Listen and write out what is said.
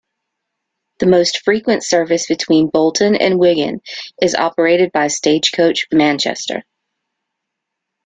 The most frequent service between Bolton and Wigan is operated by Stagecoach Manchester.